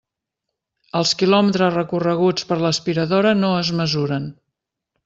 Els quilòmetres recorreguts per l'aspiradora no es mesuren.